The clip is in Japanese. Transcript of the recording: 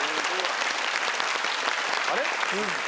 あれ？